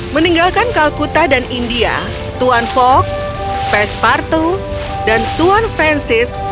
meninggalkan kalkuta dan india tuan fok pespartu dan tuan francis